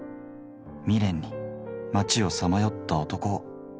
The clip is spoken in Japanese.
未練に街を彷徨った男を。